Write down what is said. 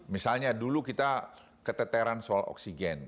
misalnya dulu kita keteteran soal oksigen